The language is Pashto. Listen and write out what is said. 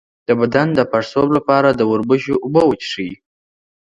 د بدن د پړسوب لپاره د وربشو اوبه وڅښئ